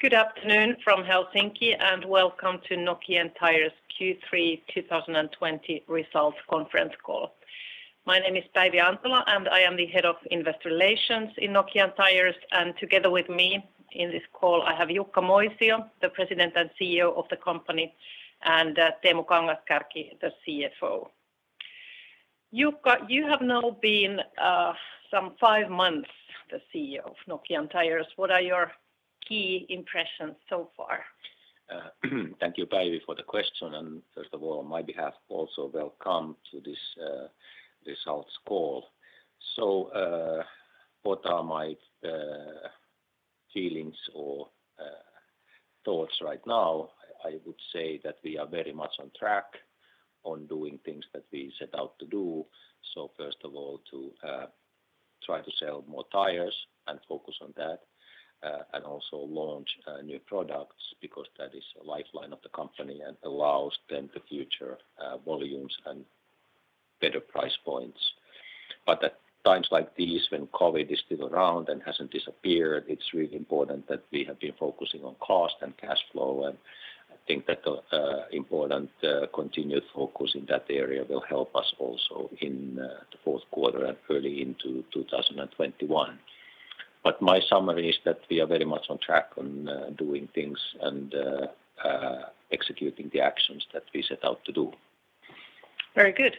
Good afternoon from Helsinki, welcome to Nokian Tyres Q3 2020 Results Conference Call. My name is Päivi Antola, and I am the Head of Investor Relations in Nokian Tyres. Together with me in this call, I have Jukka Moisio, the President and CEO of the company, and Teemu Kangas-Kärki, the CFO. Jukka, you have now been some five months the CEO of Nokian Tyres. What are your key impressions so far? Thank you, Päivi, for the question. First of all, on my behalf, also welcome to this results call. What are my feelings or thoughts right now? I would say that we are very much on track on doing things that we set out to do. First of all, to try to sell more tires and focus on that, and also launch new products because that is the lifeline of the company and allows then the future volumes and better price points. At times like these, when COVID is still around and hasn't disappeared, it's really important that we have been focusing on cost and cash flow. I think that the important continued focus in that area will help us also in the fourth quarter and early into 2021. My summary is that we are very much on track on doing things and executing the actions that we set out to do. Very good.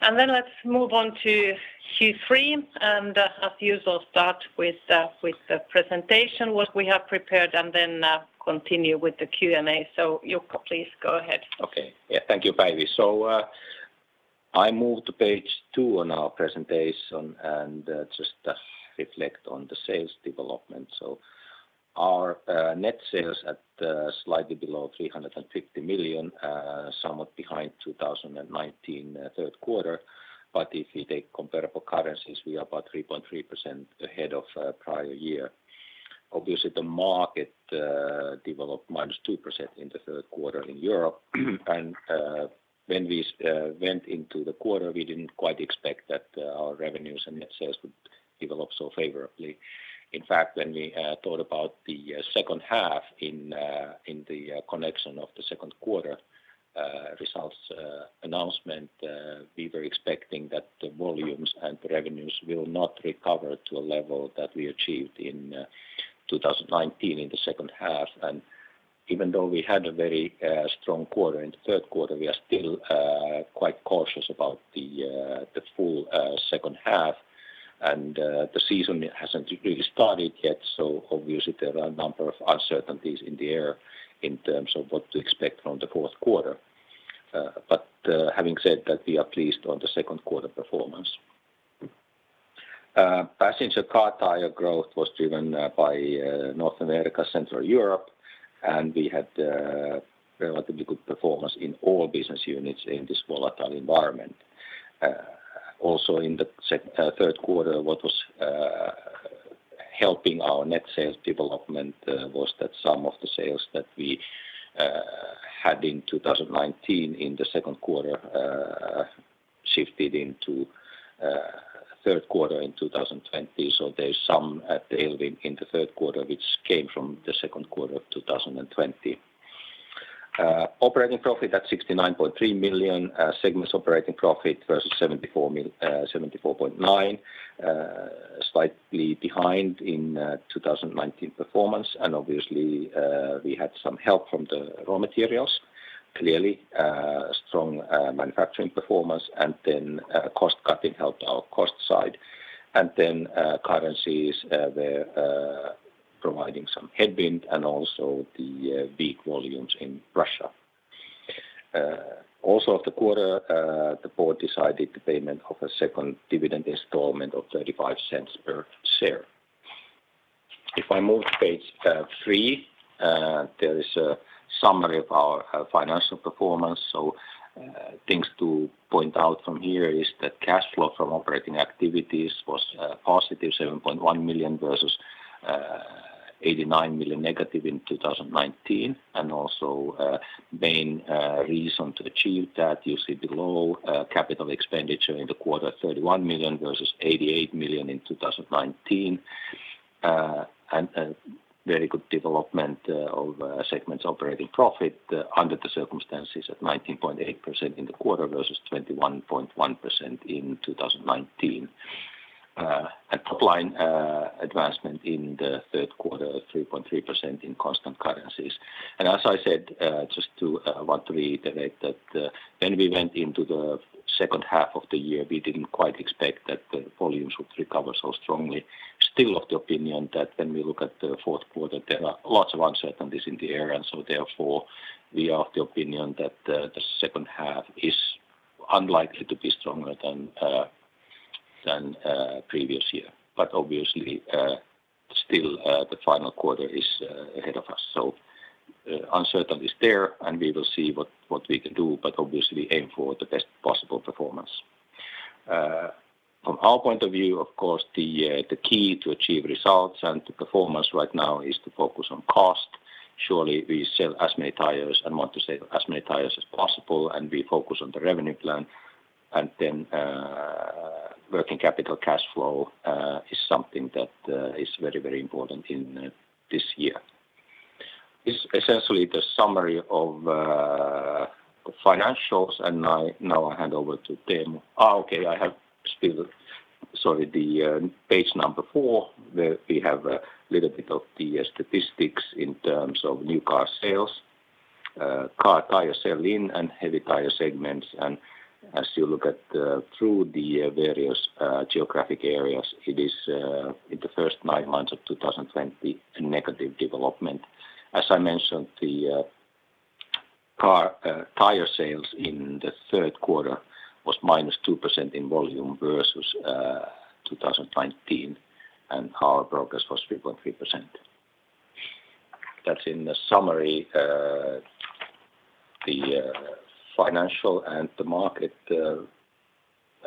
Let's move on to Q3, as usual, start with the presentation, what we have prepared, continue with the Q&A. Jukka, please go ahead. Okay. Yeah. Thank you, Päivi. I move to page two on our presentation and just reflect on the sales development. Our net sales at slightly below 350 million, somewhat behind 2019 third quarter, but if you take comparable currencies, we are about 3.3% ahead of prior year. Obviously, the market developed -2% in the third quarter in Europe. When we went into the quarter, we didn't quite expect that our revenues and net sales would develop so favorably. In fact, when we thought about the second half in the connection of the second quarter results announcement, we were expecting that the volumes and the revenues will not recover to a level that we achieved in 2019 in the second half. Even though we had a very strong quarter in the third quarter, we are still quite cautious about the full second half. The season hasn't really started yet, so obviously there are a number of uncertainties in the air in terms of what to expect from the fourth quarter. Having said that, we are pleased on the second quarter performance. Passenger Car Tyres growth was driven by North America, Central Europe, and we had a relatively good performance in all business units in this volatile environment. Also in the third quarter, what was helping our net sales development was that some of the sales that we had in 2019 in the second quarter shifted into third quarter in 2020. There's some tailwind in the third quarter, which came from the second quarter of 2020. Operating profit at 69.3 million, segments operating profit versus 74.9 million, slightly behind in 2019 performance. Obviously, we had some help from the raw materials, clearly a strong manufacturing performance, cost-cutting helped our cost side. Currencies were providing some headwind and also the weak volumes in Russia. Also of the quarter, the board decided the payment of a second dividend installment of 0.35 per share. If I move to page three, there is a summary of our financial performance. Things to point out from here is that cash flow from operating activities was a positive 7.1 million versus 89 million negative in 2019. Also main reason to achieve that, you see below capital expenditure in the quarter, 31 million versus 88 million in 2019. Very good development of segments operating profit under the circumstances at 19.8% in the quarter versus 21.1% in 2019. Top-line advancement in the third quarter, 3.3% in constant currencies. As I said, just to want to reiterate that when we went into the second half of the year, we didn't quite expect that the volumes would recover so strongly. Still of the opinion that when we look at the fourth quarter, there are lots of uncertainties in the air. Therefore, we are of the opinion that the second half is unlikely to be stronger than previous year. Obviously, still the final quarter is ahead of us. Uncertainty is there, and we will see what we can do, but obviously aim for the best possible performance. From our point of view, of course, the key to achieve results and the performance right now is to focus on cost. Surely we sell as many tires and want to sell as many tires as possible, and we focus on the revenue plan. Working capital cash flow is something that is very important in this year. This is essentially the summary of financials, and now I hand over to Teemu. I have still, sorry, the page number four, there we have a little bit of the statistics in terms of new car sales, car tire sell-in and heavy tire segments. As you look at through the various geographic areas, it is, in the first nine months of 2020, a negative development. As I mentioned, the car tire sales in the third quarter was -2% in volume versus 2019, and car progress was 3.3%. That's in summary, the financial and the market.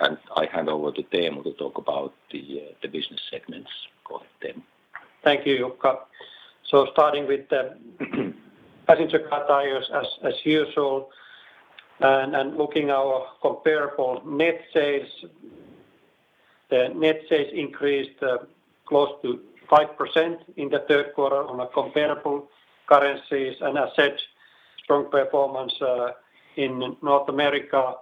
I hand over to Teemu to talk about the business segments. Go ahead, Teemu. Thank you, Jukka. Starting with the Passenger Car Tyres as usual, looking our comparable net sales. The net sales increased close to 5% in the third quarter on comparable currencies, as said, strong performance in North America,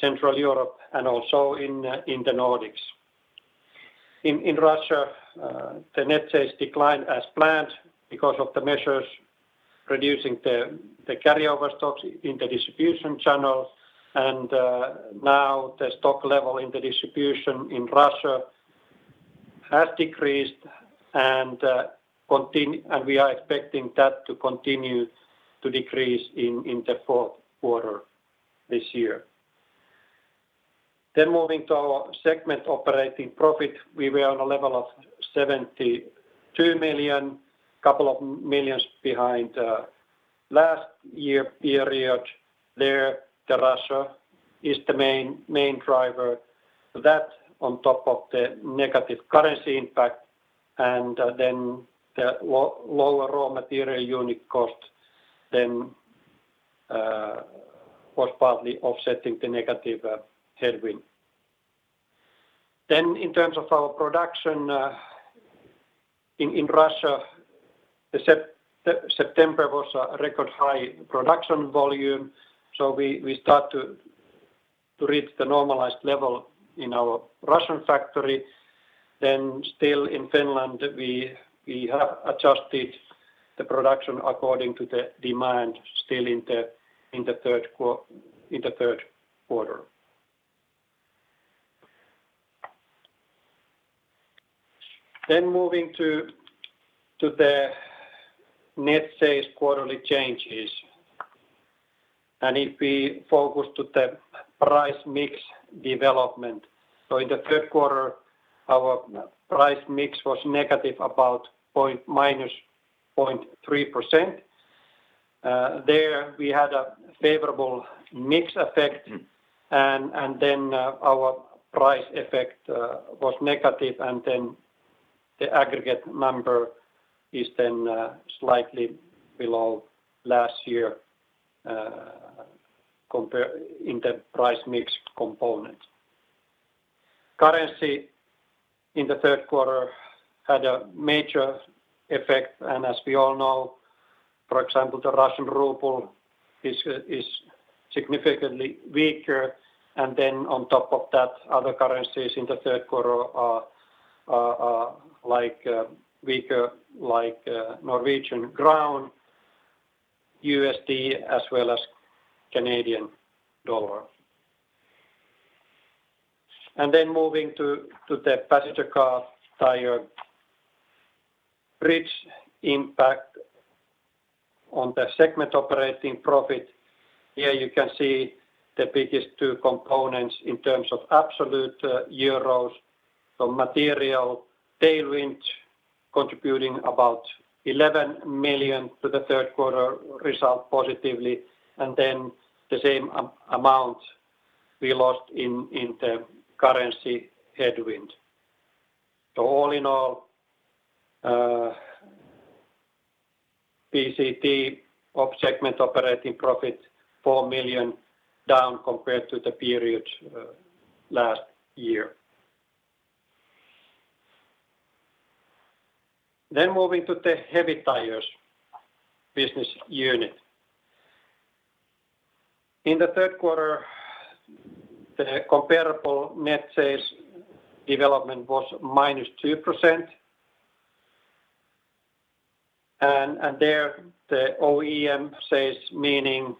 Central Europe, and also in the Nordics. In Russia, the net sales declined as planned because of the measures reducing the carryover stocks in the distribution channels. Now the stock level in the distribution in Russia has decreased, and we are expecting that to continue to decrease in the fourth quarter this year. Moving to our segment operating profit. We were on a level of 72 million, a couple of millions behind last year period. There, Russia is the main driver. That on top of the negative currency impact, the lower raw material unit cost was partly offsetting the negative headwind. In terms of our production in Russia, September was a record high production volume, so we start to reach the normalized level in our Russian factory. Still in Finland, we have adjusted the production according to the demand still in the third quarter. Moving to the net sales quarterly changes, and if we focus to the price mix development. In the third quarter, our price mix was negative about -0.3%. There we had a favorable mix effect, and then our price effect was negative, and then the aggregate number is then slightly below last year in the price mix component. Currency in the third quarter had a major effect. As we all know, for example, the Russian ruble is significantly weaker. On top of that, other currencies in the third quarter are weaker, like Norwegian krone, USD, as well as Canadian dollar. Moving to the Passenger Car Tyres mix impact on the segment operating profit. Here you can see the biggest two components in terms of absolute euros. Material tailwind contributing about 11 million to the third quarter result positively, the same amount we lost in the currency headwind. All in all, PCT of segment operating profit, 4 million down compared to the period last year. Moving to the Heavy Tyres business unit. In the third quarter, the comparable net sales development was -2%. There the OEM sales, meaning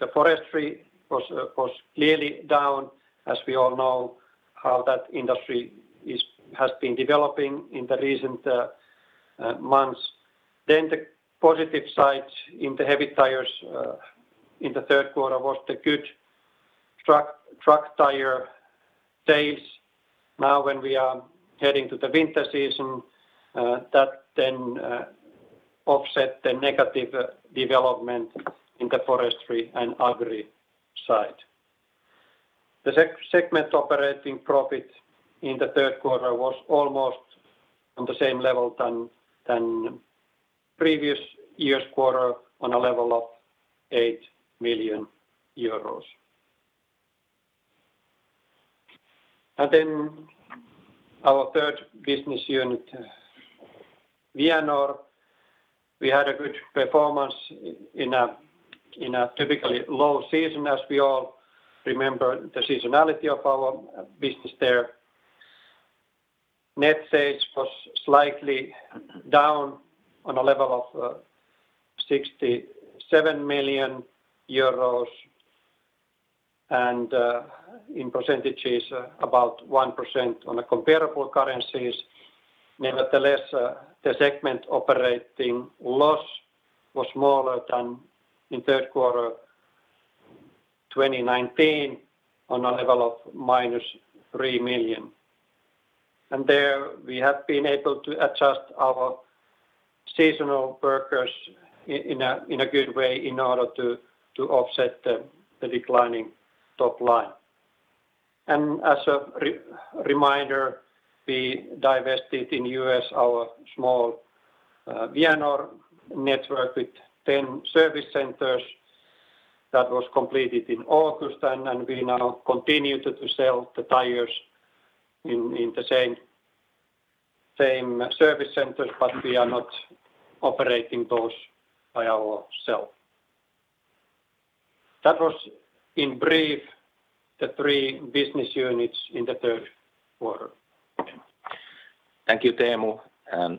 the forestry, was clearly down, as we all know how that industry has been developing in the recent months. The positive side in the Heavy Tyres in the third quarter was the good truck tire sales. Now when we are heading to the winter season, that then offset the negative development in the forestry and agri side. The segment operating profit in the third quarter was almost on the same level than previous year's quarter on a level of 8 million euros. Our third business unit, Vianor, we had a good performance in a typically low season as we all remember the seasonality of our business there. Net sales was slightly down on a level of 67 million euros and in percentages, about 1% on a comparable currencies. Nevertheless, the segment operating loss was smaller than in third quarter 2019 on a level of -3 million. There we have been able to adjust our seasonal workers in a good way in order to offset the declining top line. As a reminder, we divested in U.S. our small Vianor network with 10 service centers that was completed in August, and we now continue to sell the tires in the same service centers, but we are not operating those by ourself. That was in brief the three business units in the third quarter. Thank you, Teemu.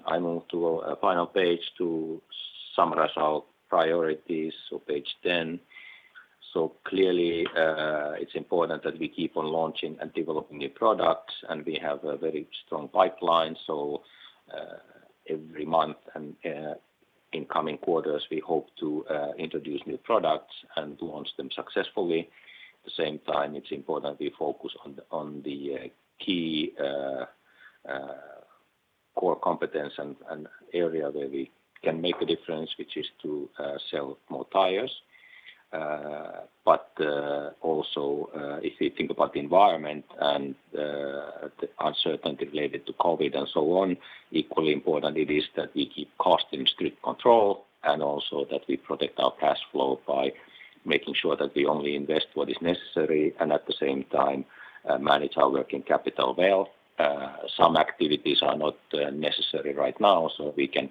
I move to our final page to summarize our priorities. Page 10. Clearly, it's important that we keep on launching and developing new products, and we have a very strong pipeline. Every month and in coming quarters, we hope to introduce new products and launch them successfully. At the same time, it's important we focus on the key core competence and area where we can make a difference, which is to sell more tires. Also, if you think about the environment and the uncertainty related to COVID and so on, equally important it is that we keep costs in strict control and also that we protect our cash flow by making sure that we only invest what is necessary and at the same time, manage our working capital well. Some activities are not necessary right now. We can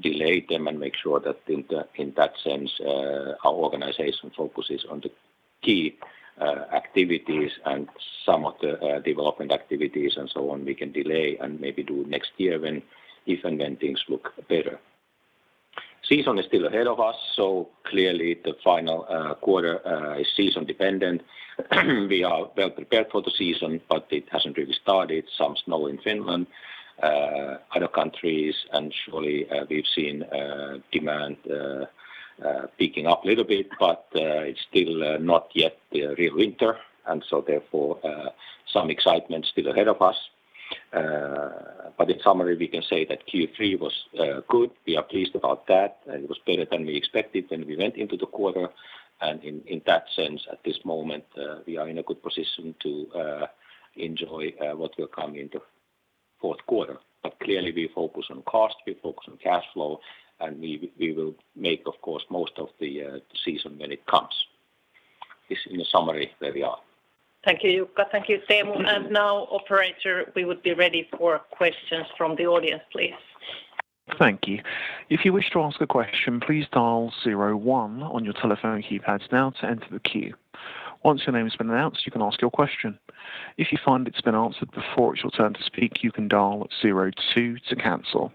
delay them and make sure that in that sense, our organization focuses on the key activities and some of the development activities and so on. We can delay and maybe do next year if and when things look better. Season is still ahead of us. Clearly the final quarter is season-dependent. We are well prepared for the season, but it hasn't really started. Some snow in Finland, other countries. Surely we've seen demand picking up a little bit, but it's still not yet the real winter. Therefore, some excitement still ahead of us. In summary, we can say that Q3 was good. We are pleased about that, and it was better than we expected when we went into the quarter. In that sense, at this moment, we are in a good position to enjoy what will come in the fourth quarter. Clearly we focus on cost, we focus on cash flow, and we will make, of course, most of the season when it comes. This in the summary where we are. Thank you, Jukka. Thank you, Teemu. Now operator, we would be ready for questions from the audience, please. Thank you. If you wish to ask a question, please dial zero one on your telephone keypads now to enter the queue. Once your name has been announced, you can ask your question. If you find it's been answered before it's your turn to speak, you can dial zero two to cancel.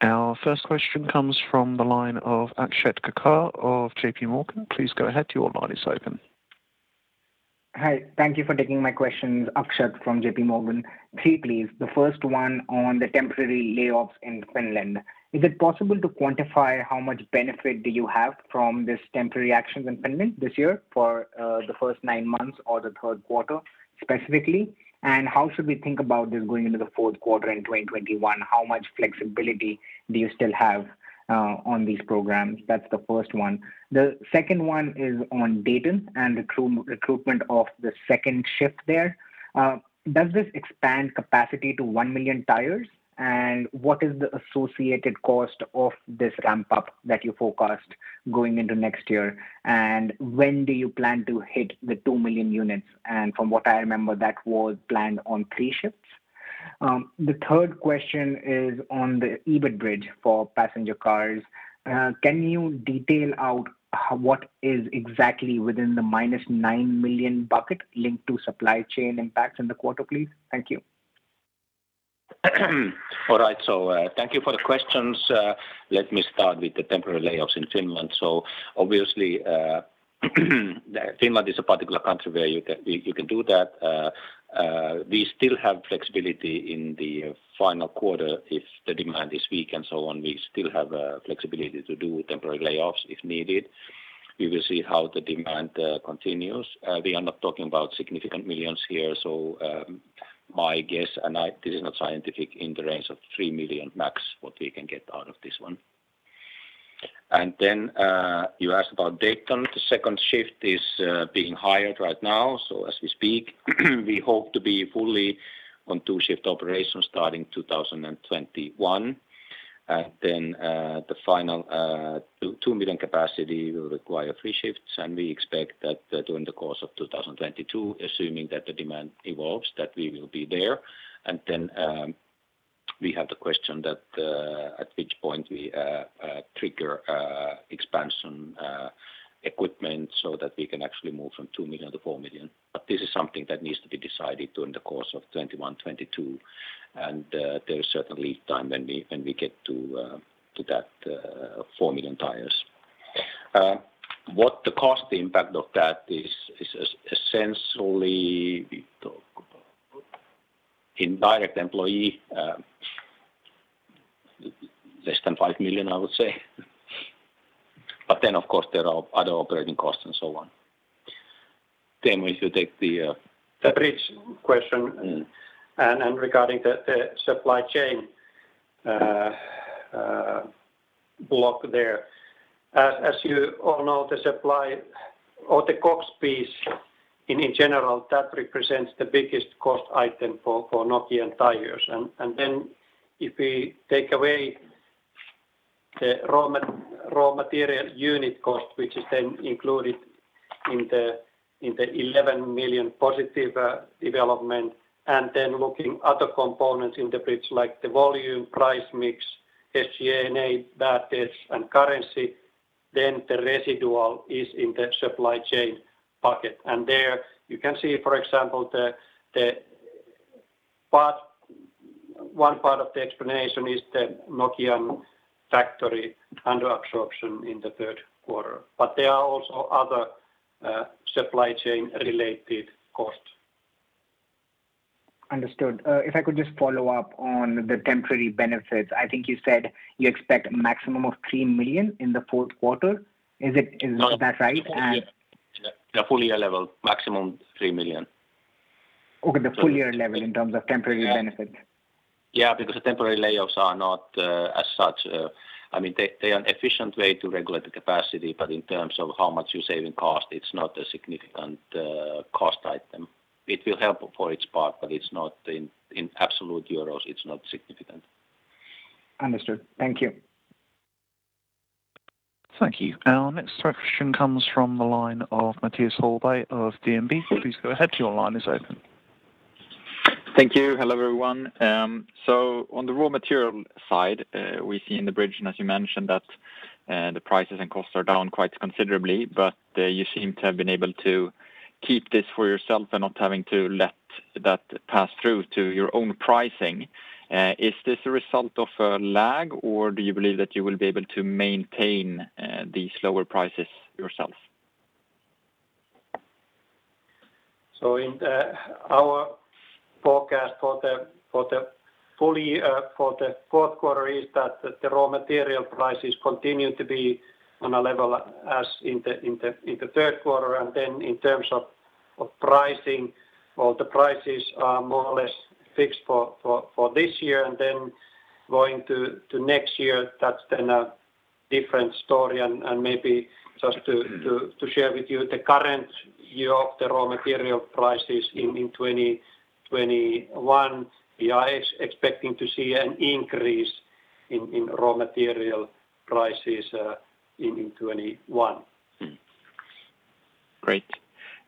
Our first question comes from the line of Akshat Kacker of JPMorgan. Please go ahead, your line is open. Hi, thank you for taking my questions. Akshat from JPMorgan. Three, please. The first one on the temporary layoffs in Finland. Is it possible to quantify how much benefit do you have from this temporary actions in Finland this year for the first nine months or the third quarter specifically? How should we think about this going into the fourth quarter in 2021? How much flexibility do you still have on these programs? That's the first one. The second one is on Dayton and recruitment of the second shift there. Does this expand capacity to 1 million tires? What is the associated cost of this ramp-up that you forecast going into next year? When do you plan to hit the 2 million units? From what I remember, that was planned on three shifts. The third question is on the EBIT bridge for passenger cars. Can you detail out what is exactly within the -9 million bucket linked to supply chain impacts in the quarter, please? Thank you. All right. Thank you for the questions. Let me start with the temporary layoffs in Finland. Obviously, Finland is a particular country where you can do that. We still have flexibility in the final quarter if the demand is weak and so on. We still have flexibility to do temporary layoffs if needed. We will see how the demand continues. We are not talking about significant millions here. My guess, and this is not scientific, in the range of 3 million max, what we can get out of this one. Then you asked about Dayton. The second shift is being hired right now. As we speak, we hope to be fully on two shift operations starting 2021. The final 2 million capacity will require three shifts, and we expect that during the course of 2022, assuming that the demand evolves, that we will be there. We have the question that at which point we trigger expansion equipment so that we can actually move from 2 million-4 million. This is something that needs to be decided during the course of 2021, 2022. There is certainly time when we get to that 4 million tires. What the cost impact of that is essentially we talk about indirect employee, less than 5 million, I would say. Of course, there are other operating costs and so on. Teemu so take over. The bridge question and regarding the supply chain block there. As you all know, the supply or the COGS piece in general, that represents the biggest cost item for Nokian Tyres. If we take away the raw material unit cost, which is then included in the 11 million positive development, and then looking other components in the bridge, like the volume, price mix, SG&A, bad debts, and currency, then the residual is in the supply chain pocket. There you can see, for example, one part of the explanation is the Nokian factory under absorption in the third quarter. There are also other supply chain related costs. Understood. If I could just follow up on the temporary benefits, I think you said you expect a maximum of 3 million in the fourth quarter. Is that right? The full year level, maximum 3 million. Okay, the full year level in terms of temporary benefit. Yeah, the temporary layoffs are not as such. They are an efficient way to regulate the capacity, but in terms of how much you save in cost, it is not a significant cost item. It will help for its part, but in absolute euros, it is not significant. Understood. Thank you. Thank you. Our next question comes from the line of Mattias Holmberg of DNB. Please go ahead, your line is open. Thank you. Hello, everyone. On the raw material side, we see in the bridge, and as you mentioned that the prices and costs are down quite considerably, but you seem to have been able to keep this for yourself and not having to let that pass through to your own pricing. Is this a result of a lag, or do you believe that you will be able to maintain these lower prices yourselves? In our forecast for the fourth quarter is that the raw material prices continue to be on a level as in the third quarter. In terms of pricing, well, the prices are more or less fixed for this year. Going to next year, that's then a different story and maybe just to share with you the current year of the raw material prices in 2021, we are expecting to see an increase in raw material prices in 2021. Great.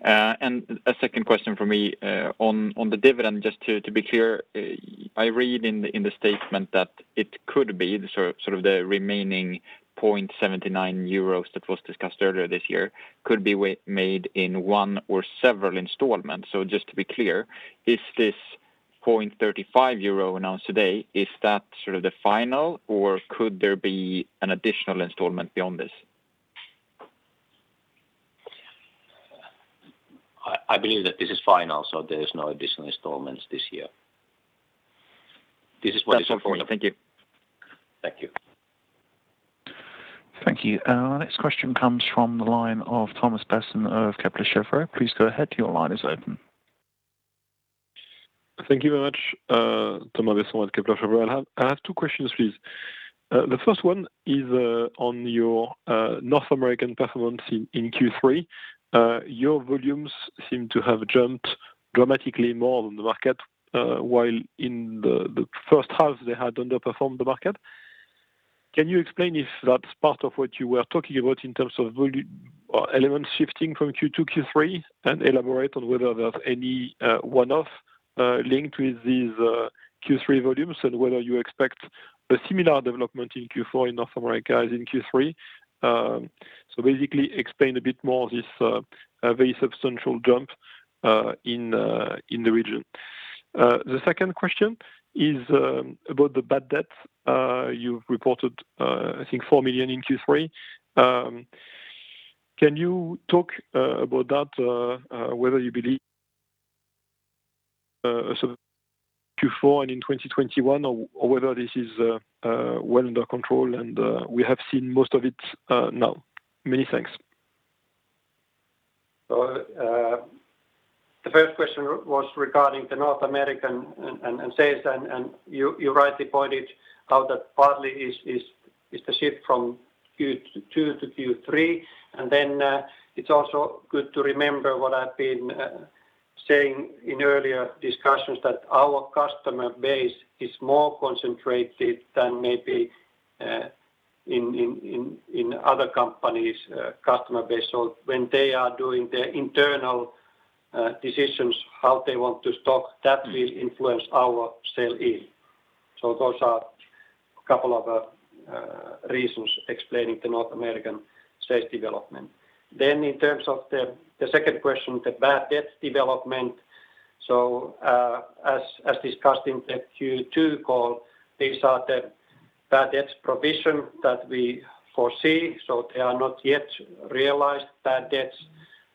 A second question from me on the dividend, just to be clear, I read in the statement that it could be sort of the remaining 0.79 euros that was discussed earlier this year could be made in one or several installments. Just to be clear, is this 0.35 euro announced today, is that sort of the final, or could there be an additional installment beyond this? I believe that this is final, so there is no additional installments this year. That's all for now. Thank you. Thank you. Thank you. Our next question comes from the line of Thomas Besson of Kepler Cheuvreux. Please go ahead, your line is open. Thank you very much. Thomas Besson, Kepler Cheuvreux. I have two questions, please. The first one is on your North American performance in Q3. Your volumes seem to have jumped dramatically more than the market, while in the first half they had underperformed the market. Can you explain if that's part of what you were talking about in terms of volume or elements shifting from Q2, Q3, and elaborate on whether there's any one-off linked with these Q3 volumes and whether you expect a similar development in Q4 in North America as in Q3? Basically explain a bit more this very substantial jump in the region. The second question is about the bad debts you've reported, I think 4 million in Q3. Can you talk about that whether you believe Q4 and in 2021, or whether this is well under control and we have seen most of it now. Many thanks. The first question was regarding the North American and sales, and you rightly pointed how that partly is the shift from Q2 to Q3. It's also good to remember what I've been saying in earlier discussions that our customer base is more concentrated than maybe in other companies' customer base. When they are doing their internal decisions, how they want to stock, that will influence our sale yield. Those are a couple of reasons explaining the North American sales development. In terms of the second question, the bad debts development. As discussed in the Q2 call, these are the bad debts provision that we foresee. They are not yet realized bad debts.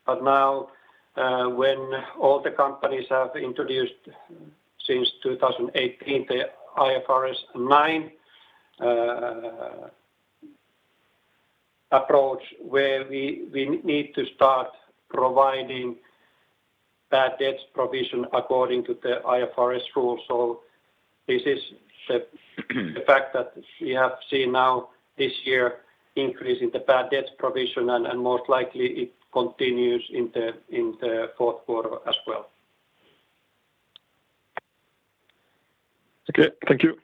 Now, when all the companies have introduced since 2018, the IFRS 9 approach where we need to start providing bad debts provision according to the IFRS rules. This is the fact that we have seen now this year increase in the bad debts provision, and most likely it continues in the fourth quarter as well. Okay. Thank you.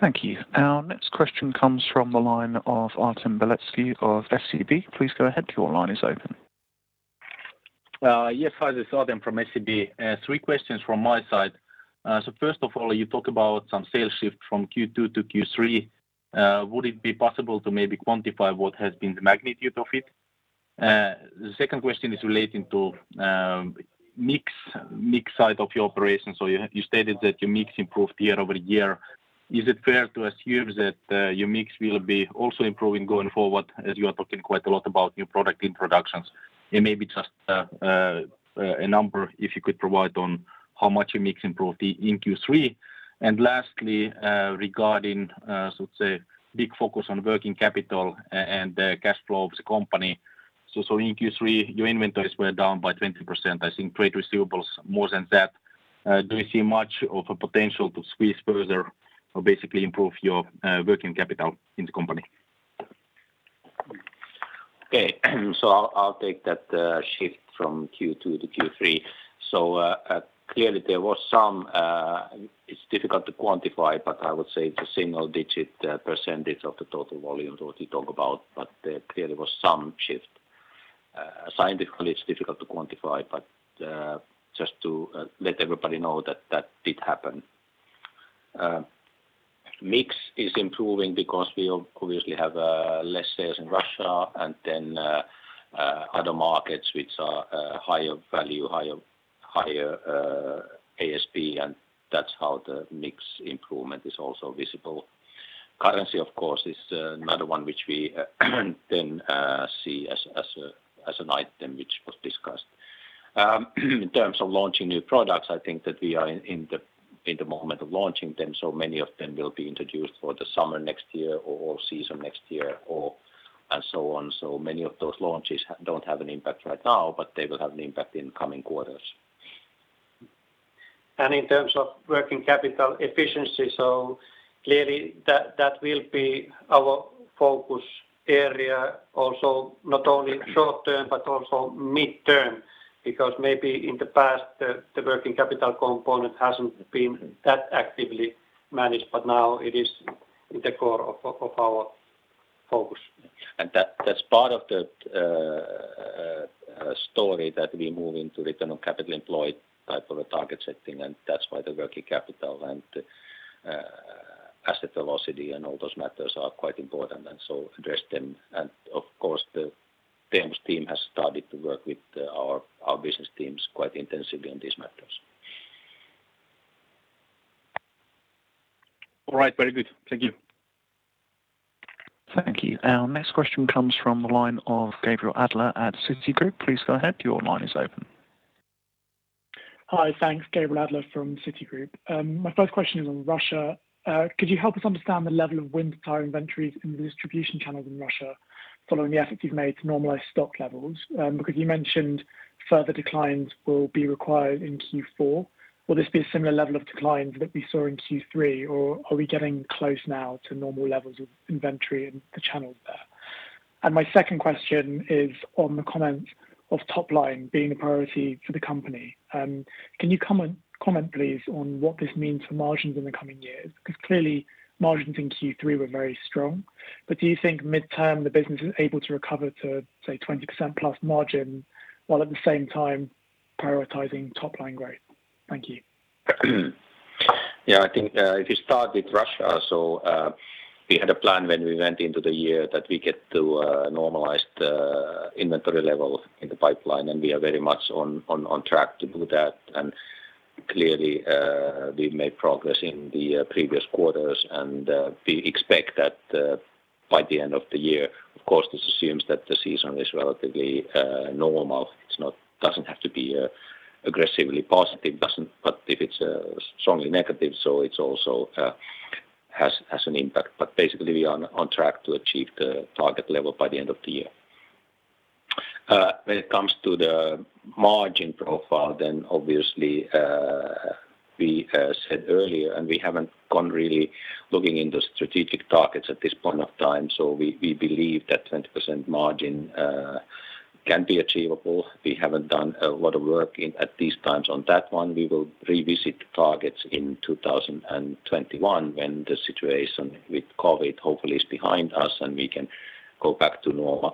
Thank you. Our next question comes from the line of Artem Beletski of SEB. Please go ahead. Your line is open. Hi, this is Artem from SEB. Three questions from my side. First of all, you talk about some sales shift from Q2 to Q3. Would it be possible to maybe quantify what has been the magnitude of it? The second question is relating to mix side of your operations. You stated that your mix improved year-over-year. Is it fair to assume that your mix will be also improving going forward, as you are talking quite a lot about new product introductions? Maybe just a number, if you could provide on how much your mix improved in Q3. Lastly, regarding, so to say, big focus on working capital and the cash flow of the company. In Q3, your inventories were down by 20%, I think trade receivables more than that. Do you see much of a potential to squeeze further or basically improve your working capital in the company? Okay. I'll take that shift from Q2 to Q3. Clearly, it's difficult to quantify, but I would say it's a single-digit percentage of the total volume, what you talk about. There clearly was some shift. Scientifically, it's difficult to quantify, but just to let everybody know that that did happen. Mix is improving because we obviously have less sales in Russia and then other markets which are higher value, higher ASP, and that's how the mix improvement is also visible. Currency, of course, is another one which we then see as an item which was discussed. In terms of launching new products, I think that we are in the moment of launching them. Many of them will be introduced for the summer next year or season next year. Many of those launches don't have an impact right now, but they will have an impact in coming quarters. In terms of working capital efficiency, clearly that will be our focus area also, not only short-term but also mid-term, because maybe in the past, the working capital component hasn't been that actively managed, but now it is the core of our focus. That's part of the story that we move into return on capital employed type of a target setting, and that's why the working capital and asset velocity and all those matters are quite important and so address them. Of course, the Teemu's team has started to work with our business teams quite intensively on these matters. All right. Very good. Thank you. Thank you. Our next question comes from the line of Gabriel Adler at Citigroup. Please go ahead. Hi. Thanks. Gabriel Adler from Citigroup. My first question is on Russia. Could you help us understand the level of winter tire inventories in the distribution channels in Russia following the efforts you've made to normalize stock levels? You mentioned further declines will be required in Q4. Will this be a similar level of declines that we saw in Q3, or are we getting close now to normal levels of inventory in the channels there? My second question is on the comment of top line being a priority for the company. Can you comment, please, on what this means for margins in the coming years? Clearly margins in Q3 were very strong, do you think mid-term the business is able to recover to, say, 20%+ margin while at the same time prioritizing top-line growth? Thank you. Yeah, I think if you start with Russia, so we had a plan when we went into the year that we get to a normalized inventory level in the pipeline, and we are very much on track to do that. Clearly, we've made progress in the previous quarters, and we expect that by the end of the year. Of course, this assumes that the season is relatively normal. It doesn't have to be aggressively positive, but if it's strongly negative, so it also has an impact, but basically we are on track to achieve the target level by the end of the year. When it comes to the margin profile, then obviously, we said earlier, and we haven't gone really looking in the strategic targets at this point of time, so we believe that 20% margin can be achievable. We haven't done a lot of work at these times on that one. We will revisit targets in 2021 when the situation with COVID hopefully is behind us and we can go back to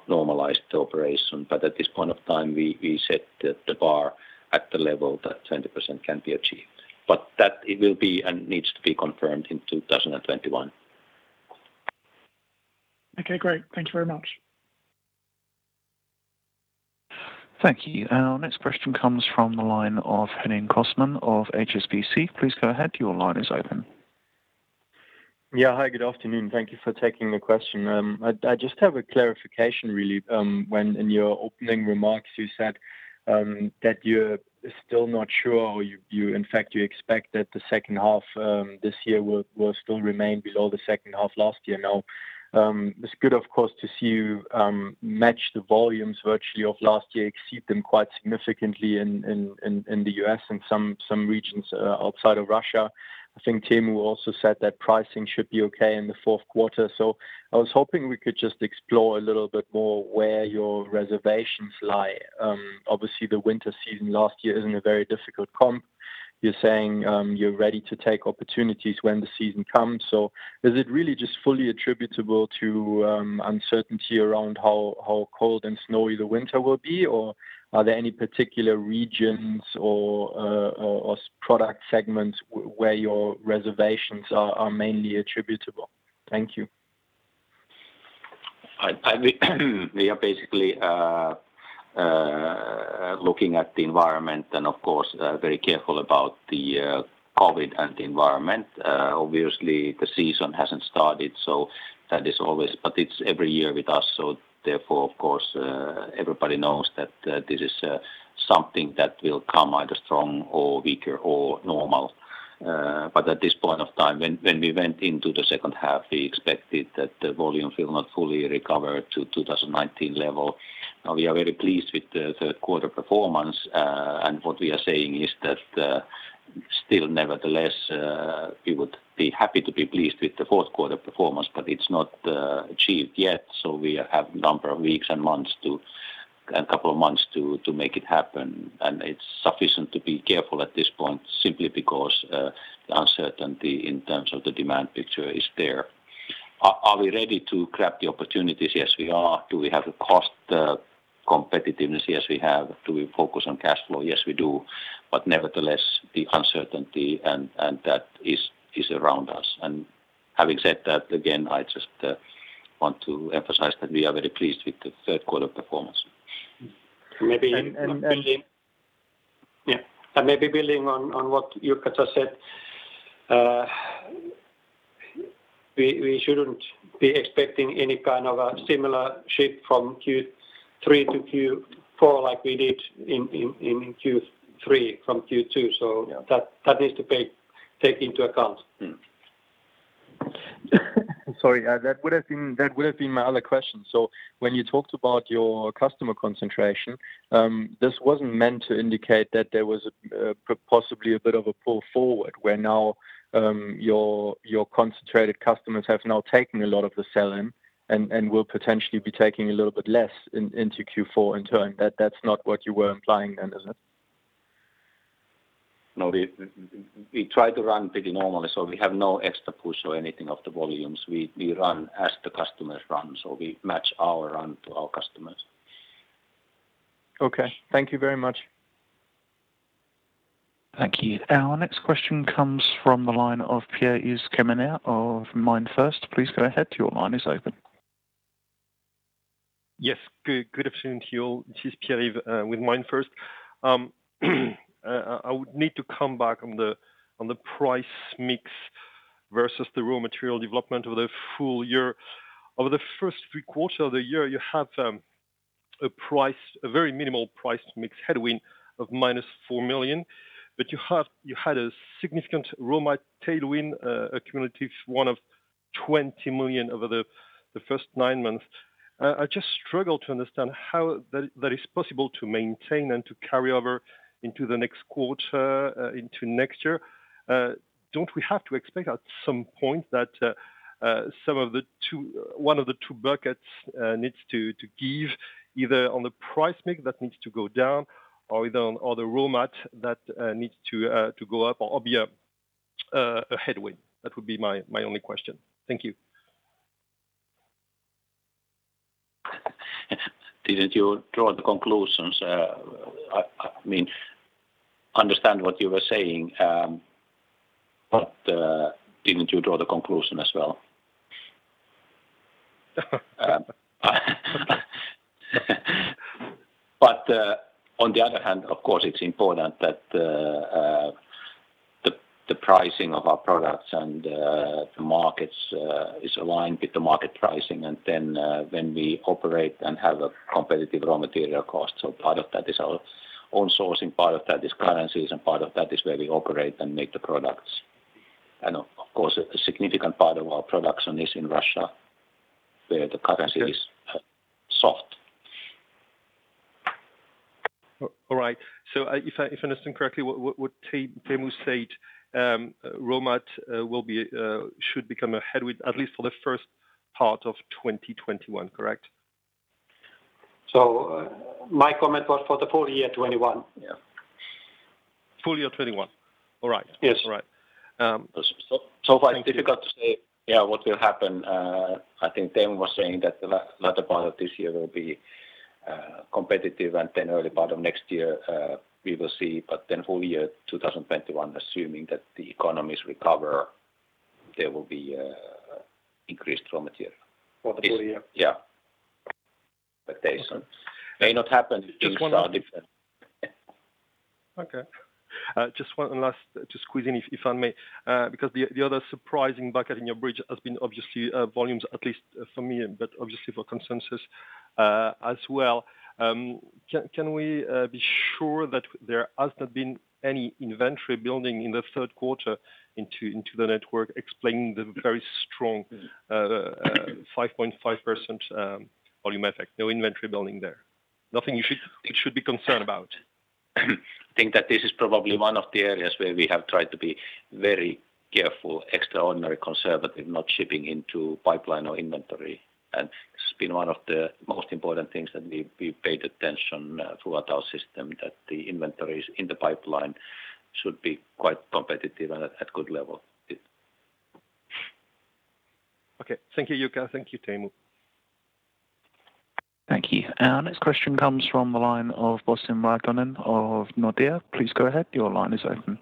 normalized operation. At this point of time, we set the bar at the level that 20% can be achieved. That it will be and needs to be confirmed in 2021. Okay, great. Thank you very much. Thank you. Our next question comes from the line of Henning Cosman of HSBC. Please go ahead. Your line is open. Hi, good afternoon. Thank you for taking the question. I just have a clarification, really. When in your opening remarks you said that you're still not sure or you, in fact, expect that the second half this year will still remain below the second half last year. It's good, of course, to see you match the volumes virtually of last year, exceed them quite significantly in the U.S. and some regions outside of Russia. I think Teemu also said that pricing should be okay in the fourth quarter. I was hoping we could just explore a little bit more where your reservations lie. Obviously, the winter season last year isn't a very difficult comp. You're saying you're ready to take opportunities when the season comes. Is it really just fully attributable to uncertainty around how cold and snowy the winter will be? Are there any particular regions or product segments where your reservations are mainly attributable? Thank you. We are basically looking at the environment and, of course, very careful about the COVID and the environment. Obviously, the season hasn't started. It's every year with us, therefore, of course, everybody knows that this is something that will come either strong or weaker or normal. At this point of time, when we went into the second half, we expected that the volume will not fully recover to 2019 level. Now we are very pleased with the third quarter performance. What we are saying is that still, nevertheless, we would be happy to be pleased with the fourth quarter performance, but it's not achieved yet. We have number of weeks and couple of months to make it happen. It's sufficient to be careful at this point simply because the uncertainty in terms of the demand picture is there. Are we ready to grab the opportunities? Yes, we are. Do we have the cost competitiveness? Yes, we have. Do we focus on cash flow? Yes, we do. Nevertheless, the uncertainty and that is around us. Having said that, again, I just want to emphasize that we are very pleased with the third quarter performance. Maybe building- And- Yeah. Maybe building on what Jukka said, we shouldn't be expecting any kind of a similar shift from Q3 to Q4 like we did in Q3 from Q2- Yeah ...that is to take into account. Sorry, that would've been my other question. When you talked about your customer concentration, this wasn't meant to indicate that there was possibly a bit of a pull forward where now your concentrated customers have now taken a lot of the sell-in and will potentially be taking a little bit less into Q4 in turn. That's not what you were implying then, is it? No. We try to run pretty normally, so we have no extra push or anything of the volumes. We run as the customers run, so we match our run to our customers. Okay. Thank you very much. Thank you. Our next question comes from the line of Pierre-Yves Quemener of MAINFIRST. Please go ahead, your line is open. Yes. Good afternoon to you all. This is Pierre-Yves with MAINFIRST. I would need to come back on the price mix versus the raw material development over the full year. Over the first three quarter of the year, you have a very minimal price mix headwind of -4 million, but you had a significant raw material tailwind, a cumulative one of 20 million over the first nine months. I just struggle to understand how that is possible to maintain and to carry over into the next quarter, into next year. Don't we have to expect at some point that one of the two buckets needs to give either on the price mix that needs to go down or either on the raw mat that needs to go up or be a headwind? That would be my only question. Thank you. Didn't you draw the conclusions? I mean, understand what you were saying, but didn't you draw the conclusion as well? On the other hand, of course, it's important that the pricing of our products and the markets is aligned with the market pricing and then when we operate and have a competitive raw material cost. Part of that is our own sourcing, part of that is currencies, and part of that is where we operate and make the products. Of course, a significant part of our production is in Russia, where the currency is soft. All right. If I understand correctly what Teemu said, raw material should become a headwind at least for the first part of 2021, correct? My comment was for the full year 2021. Yeah. Full year 2021. All right. Yes. Far, it's difficult to say what will happen. I think Teemu was saying that the latter part of this year will be competitive and then early part of next year, we will see. Full year 2021, assuming that the economies recover, there will be increased raw material. For the full year. Yeah. Expectations. May not happen. Okay. Just one last to squeeze in, if I may, because the other surprising bucket in your bridge has been obviously volumes, at least for me, but obviously for consensus as well. Can we be sure that there has not been any inventory building in the third quarter into the network explaining the very strong 5.5% volume effect? No inventory building there. Nothing we should be concerned about. I think that this is probably one of the areas where we have tried to be very careful, extraordinarily conservative, not shipping into pipeline or inventory. It's been one of the most important things that we paid attention throughout our system, that the inventories in the pipeline should be quite competitive and at good level. Okay. Thank you, Jukka. Thank you, Teemu. Thank you. Our next question comes from the line of Pasi Väisänen of Nordea. Please go ahead. Your line is open.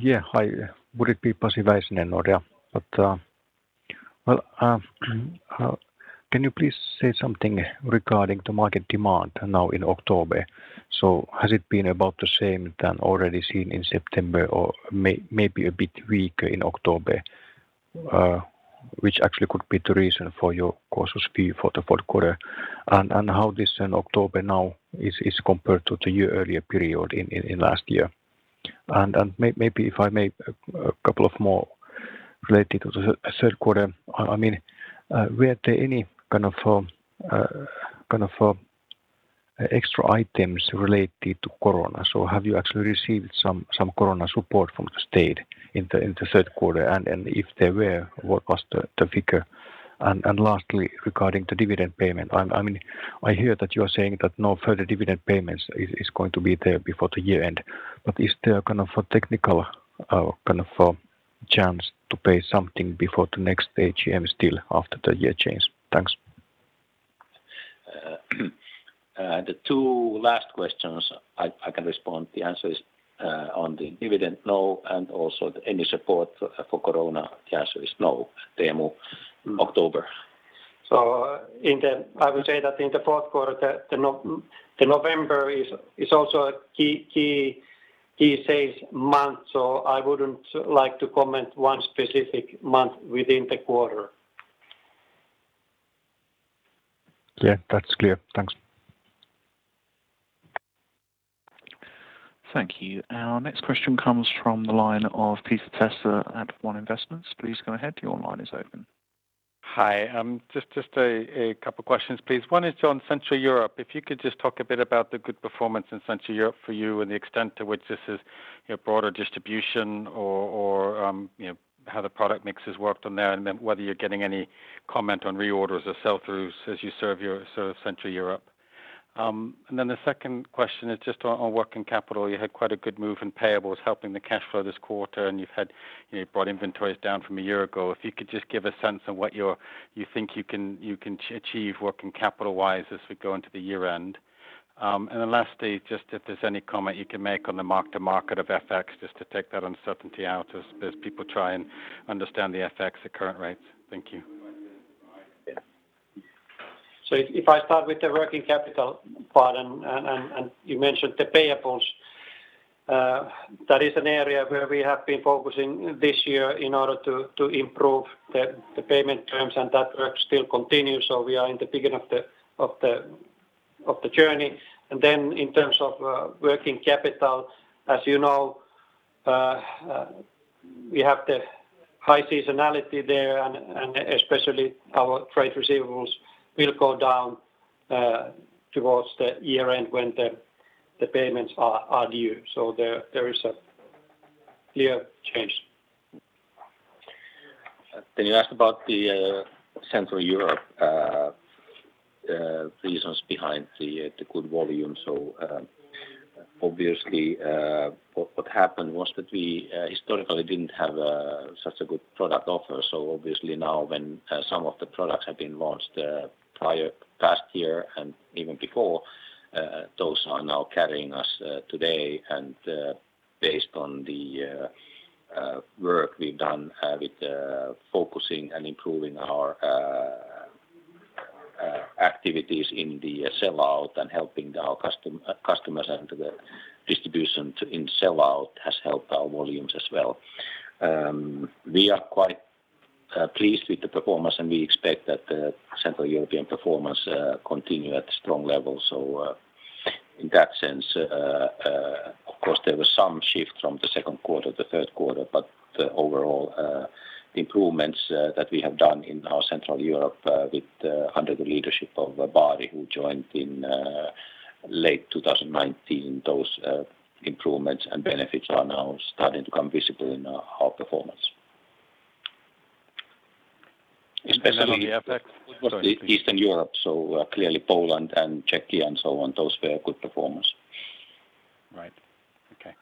Yeah. Hi. Would it be Pasi Väisänen, Nordea? Can you please say something regarding the market demand now in October? Has it been about the same than already seen in September or maybe a bit weaker in October, which actually could be the reason for your cautious view for the fourth quarter? How this October now is compared to the year earlier period in last year? Maybe if I may, a couple of more related to the third quarter. I mean, were there any kind of extra items related to COVID? Have you actually received some COVID support from the state in the third quarter? If there were, what was the figure? Lastly, regarding the dividend payment, I hear that you're saying that no further dividend payments is going to be there before the year-end. Is there a kind of a technical chance to pay something before the next AGM still after the year change? Thanks. The two last questions I can respond. The answer is, on the dividend, no, and also any support for COVID, the answer is no. Teemu, October. I would say that in the fourth quarter, November is also a key sales month, so I wouldn't like to comment one specific month within the quarter. Yeah, that's clear. Thanks. Thank you. Our next question comes from the line of Peter Testa at One Investments. Please go ahead. Your line is open. Hi. Just a couple questions, please. One is on Central Europe. If you could just talk a bit about the good performance in Central Europe for you and the extent to which this is broader distribution or how the product mix has worked on there, and then whether you're getting any comment on reorders or sell-throughs as you serve Central Europe. The second question is just on working capital. You had quite a good move in payables helping the cash flow this quarter, and you've brought inventories down from a year ago. If you could just give a sense on what you think you can achieve working capital-wise as we go into the year-end. Lastly, just if there's any comment you can make on the mark to market of FX, just to take that uncertainty out as people try and understand the FX at current rates. Thank you. If I start with the working capital part, and you mentioned the payables. That is an area where we have been focusing this year in order to improve the payment terms and that work still continues, so we are in the beginning of the journey. In terms of working capital, as you know, we have the high seasonality there, and especially our trade receivables will go down towards the year-end when the payments are due. There is a clear change. You asked about the Central Europe reasons behind the good volume. Obviously, what happened was that we historically didn't have such a good product offer. Obviously now when some of the products have been launched prior, past year and even before, those are now carrying us today. Based on the work we've done with focusing and improving our activities in the sellout and helping our customers and the distribution in sellout has helped our volumes as well. We are quite pleased with the performance, and we expect that Central European performance continue at strong levels. In that sense, of course, there was some shift from the second quarter to the third quarter, the overall improvements that we have done in our Central Europe under the leadership of Bahri, who joined in late 2019, those improvements and benefits are now starting to come visible in our performance. And then on the FX- Eastern Europe, so clearly Poland and Czechia and so on, those were good performance. Right. Okay.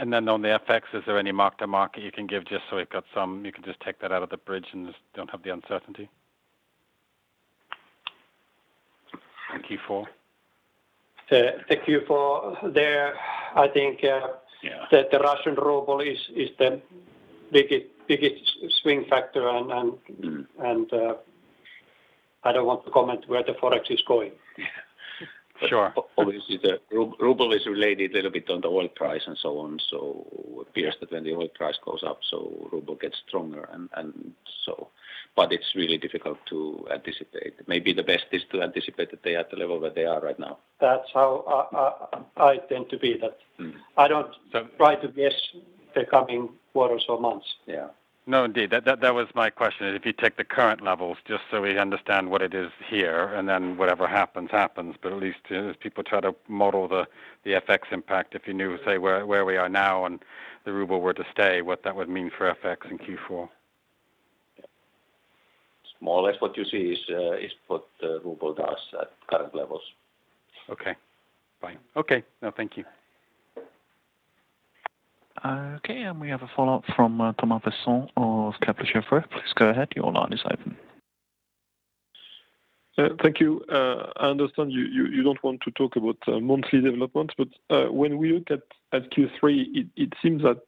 On the FX, is there any mark-to-market you can give just so we've got some, you can just take that out of the bridge and just don't have the uncertainty in Q4? Thank you. For Q4, I think- Yeah. ...the Russian ruble is the biggest swing factor. I don't want to comment where the Forex is going. Yeah. Sure. Obviously, the ruble is related a little bit on the oil price and so on. Appears that when the oil price goes up, so ruble gets stronger. It's really difficult to anticipate. Maybe the best is to anticipate that they are at the level where they are right now. That's how I tend to be that I don't try to guess the coming quarters or months. Yeah. No, indeed. That was my question, is if you take the current levels, just so we understand what it is here, and then whatever happens. At least as people try to model the FX impact, if you knew, say, where we are now and the Russian ruble were to stay, what that would mean for FX in Q4. More or less what you see is what the ruble does at current levels. Okay. Fine. Okay. No, thank you. Okay, we have a follow-up from Thomas Besson of Kepler Cheuvreux. Please go ahead, your line is open. Thank you. I understand you don't want to talk about monthly developments, but when we look at Q3, it seems that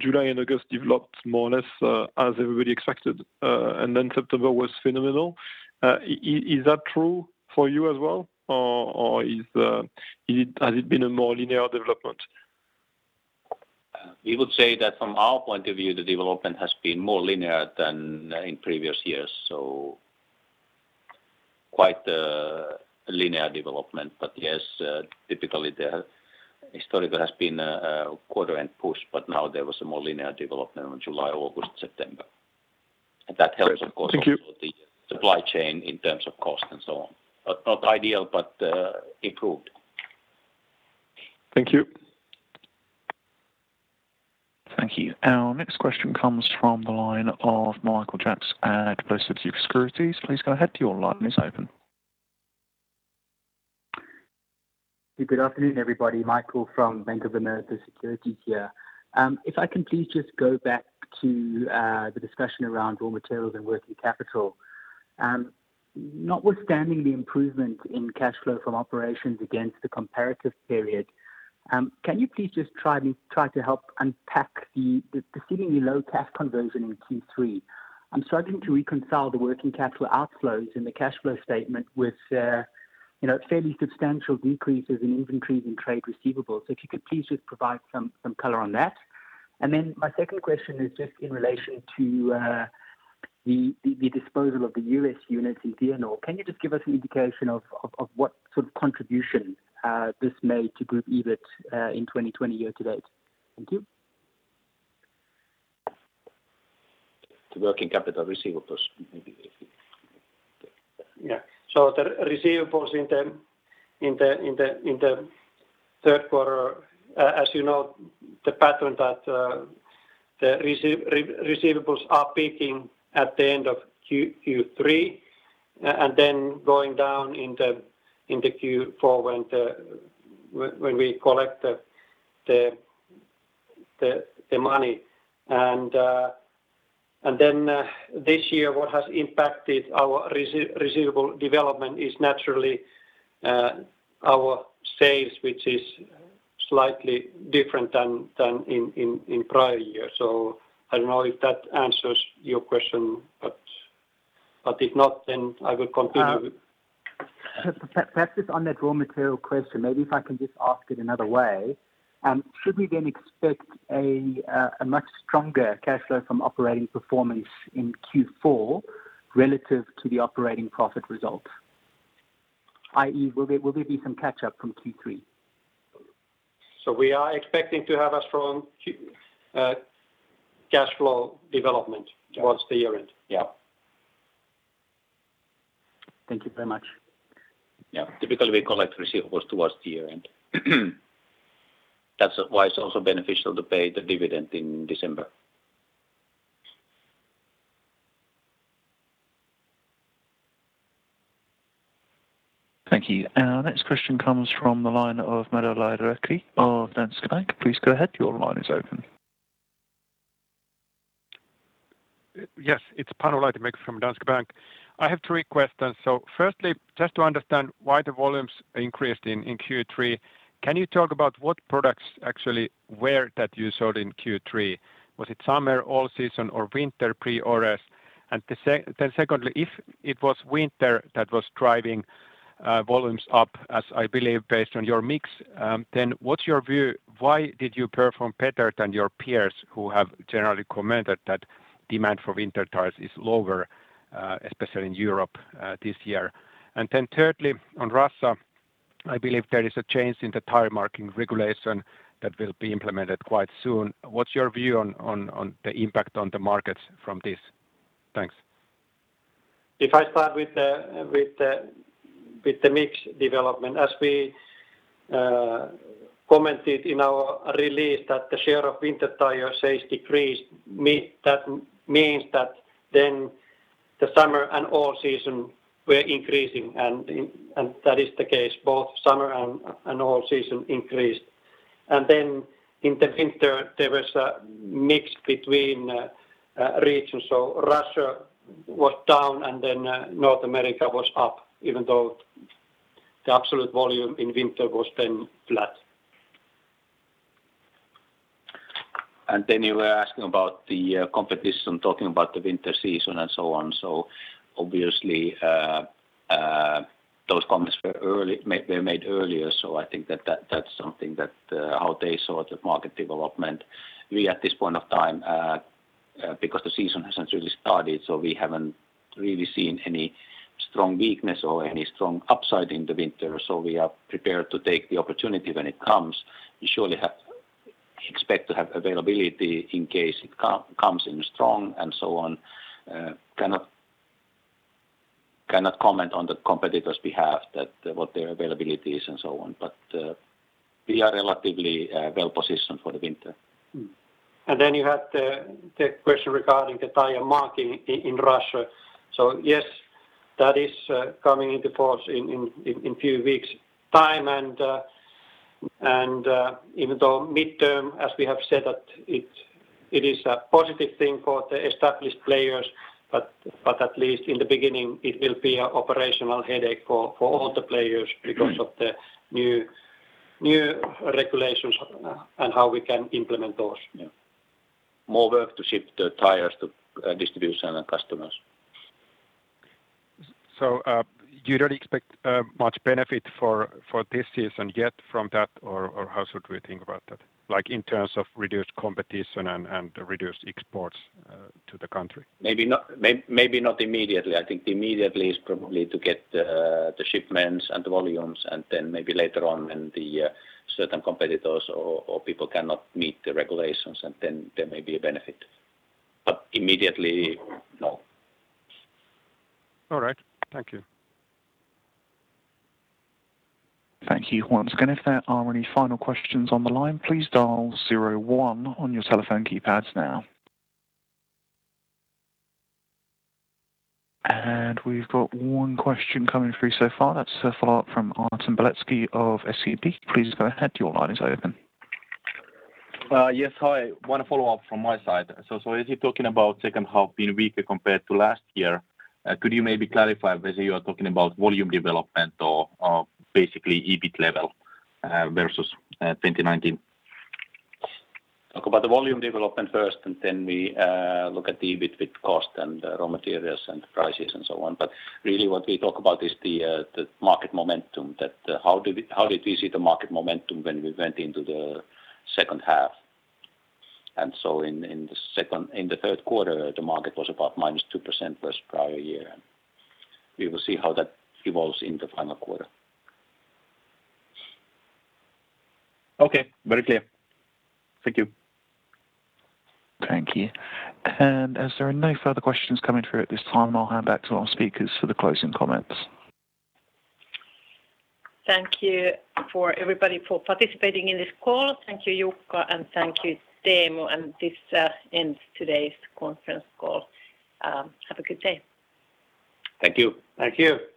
July and August developed more or less as everybody expected. September was phenomenal. Is that true for you as well, or has it been a more linear development? We would say that from our point of view, the development has been more linear than in previous years. Quite a linear development. Yes, typically, historically, there has been a quarter end push, but now there was a more linear development on July, August, September. That helps, of course. Great. Thank you Also the supply chain in terms of cost and so on. Not ideal, but improved. Thank you. Thank you. Our next question comes from the line of Michael Jacks at Bank of America Securities. Please go ahead. Your line is open. Good afternoon, everybody. Michael from Bank of America Securities here. If I can please just go back to the discussion around raw materials and working capital. Notwithstanding the improvement in cash flow from operations against the comparative period, can you please just try to help unpack the seemingly low cash conversion in Q3? I'm struggling to reconcile the working capital outflows in the cash flow statement with fairly substantial decreases in inventories and trade receivables. If you could please just provide some color on that. My second question is just in relation to the disposal of the U.S. unit in Vianor. Can you just give us an indication of what sort of contribution this made to group EBIT in 2020 year to date? Thank you. The working capital receivables. Maybe if you take that. The receivables in the third quarter, as you know, the pattern that the receivables are peaking at the end of Q3, and then going down in the Q4 when we collect the money. This year, what has impacted our receivable development is naturally our sales, which is slightly different than in prior years. I don't know if that answers your question, but if not, then I will continue. Perhaps just on that raw material question, maybe if I can just ask it another way. Should we expect a much stronger cash flow from operating performance in Q4 relative to the operating profit results? I.e., will there be some catch-up from Q3? We are expecting to have a strong cash flow development towards the year end. Yeah. Thank you very much. Yeah. Typically, we collect receivables towards the year end. That's why it's also beneficial to pay the dividend in December. Thank you. Our next question comes from the line of Panu Laitinmäki of Danske Bank. Please go ahead. Yes. It's Panu Laitinmäki from Danske Bank. I have three questions. Firstly, just to understand why the volumes increased in Q3, can you talk about what products actually were that you sold in Q3? Was it summer, all season, or winter pre-orders? Secondly, if it was winter that was driving volumes up, as I believe based on your mix, then what's your view? Why did you perform better than your peers who have generally commented that demand for winter tires is lower, especially in Europe this year? Thirdly, on Russia, I believe there is a change in the tire marking regulation that will be implemented quite soon. What's your view on the impact on the markets from this? Thanks. I start with the mix development, as we commented in our release that the share of winter tire sales decreased, that means that then the summer and all-season were increasing, and that is the case, both summer and all-season increased. Then in the winter, there was a mix between regions. Russia was down and then North America was up, even though the absolute volume in winter was then flat. Then you were asking about the competition, talking about the winter season and so on. Obviously, those comments were made earlier. I think that's something how they saw the market development. We, at this point of time, because the season hasn't really started, so we haven't really seen any strong weakness or any strong upside in the winter. We are prepared to take the opportunity when it comes. We surely expect to have availability in case it comes in strong and so on. Cannot comment on the competitors' behalf what their availability is and so on, but we are relatively well-positioned for the winter. You had the question regarding the tire marking in Russia. Yes, that is coming into force in few weeks' time, and even though midterm, as we have said, it is a positive thing for the established players. At least in the beginning, it will be an operational headache for all the players because of the new regulations and how we can implement those. Yeah. More work to shift the tires to distribution and customers. You don't expect much benefit for this season yet from that? How should we think about that, like, in terms of reduced competition and reduced exports to the country? Maybe not immediately. I think immediately is probably to get the shipments and the volumes and then maybe later on when the certain competitors or people cannot meet the regulations and then there may be a benefit. Immediately, no. All right. Thank you. Thank you once again. If there are any final questions on the line, please dial zero one on your telephone keypads now. We've got one question coming through so far. That's a follow-up from Artem Beletski of SEB. Please go ahead. Your line is open. Yes, hi. One follow-up from my side. As you're talking about second half being weaker compared to last year, could you maybe clarify whether you are talking about volume development or basically EBIT level versus 2019? Talk about the volume development first, then we look at the EBIT with cost and raw materials and prices and so on. Really what we talk about is the market momentum, how did we see the market momentum when we went into the second half. In the third quarter, the market was about -2% versus prior year. We will see how that evolves in the final quarter. Okay. Very clear. Thank you. Thank you. As there are no further questions coming through at this time, I'll hand back to our speakers for the closing comments. Thank you, everybody, for participating in this call. Thank you, Jukka, and thank you, Teemu. This ends today's conference call. Have a good day. Thank you. Thank you.